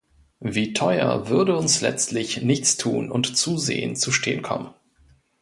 Wie teuer würde uns letztlich Nichtstun und Zusehen zu stehen kommen?